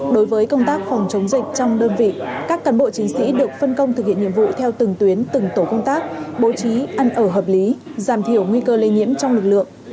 đối với công tác phòng chống dịch trong đơn vị các cán bộ chiến sĩ được phân công thực hiện nhiệm vụ theo từng tuyến từng tổ công tác bố trí ăn ở hợp lý giảm thiểu nguy cơ lây nhiễm trong lực lượng